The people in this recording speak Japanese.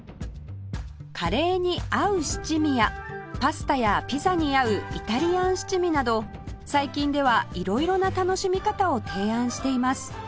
カレーに合う七味やパスタやピザに合う伊太利庵七味など最近では色々な楽しみ方を提案しています